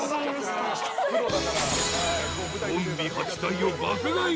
［ゾンビ８体を爆買い。